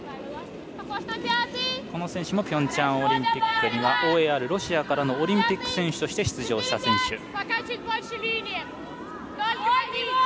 この選手もピョンチャンオリンピックはＯＡＲ、ロシアからのオリンピック選手として出場した選手。